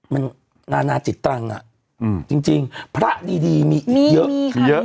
มันนานาจิตตะลังอ่ะอืมจริงจริงพระดีมีมีค่ะเยอะ